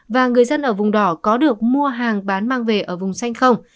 và người dân ở vùng đỏ có được mua hàng bán mang về ở vùng xanh không